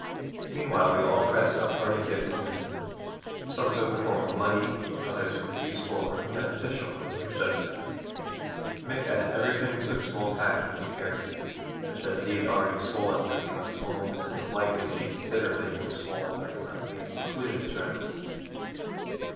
Meanwhile we all pressed our parting gifts on him; some took the form of money, others were useful or beneficial, as we judged it. Mick added everything to the small pack he was carrying, which had indeed already swollen since he left home, and was likely to be considerably more swollen by the time he had concluded his round.